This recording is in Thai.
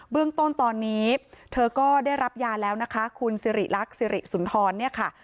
เรื่องต้นตอนนี้เธอก็ได้รับยาแล้วนะคะคุณสิริรักษ์สิริสุนทรเนี่ยค่ะ